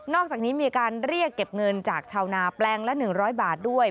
อกจากนี้มีการเรียกเก็บเงินจากชาวนาแปลงละ๑๐๐บาทด้วย